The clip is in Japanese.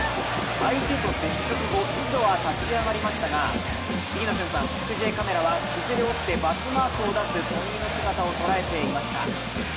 相手と接触後、一度は立ち上がりましたが、次の瞬間、キクＪＣＡＭは崩れ落ちてバツマークを出す富居の姿を捉えていました。